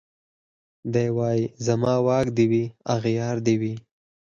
دی وايي زما واک دي وي اغيار دي وي